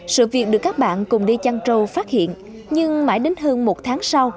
sự việc được các bạn cùng đi chăn trâu phát hiện nhưng mãi đến hơn một tháng sau